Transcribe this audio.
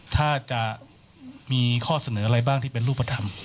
ถ้าจะมีข้อเสนออะไรบ้างที่เป็นรูปธรรม